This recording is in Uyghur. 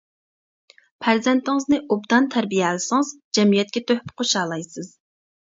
پەرزەنتىڭىزنى ئوبدان تەربىيەلىسىڭىز، جەمئىيەتكە تۆھپە قوشالايسىز.